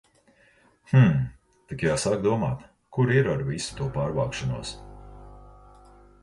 Hm, tik jāsāk domāt, kur ir ar visu to pārvākšanos.